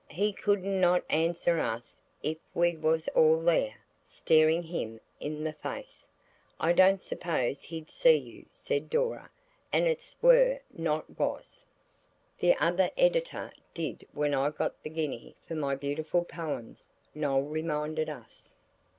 "He couldn't not answer us if we was all there, staring him in the face." "I don't suppose he'd see you," said Dora; "and it's 'were,' not 'was.'" "The other editor did when I got the guinea for my beautiful poems," Noël reminded us.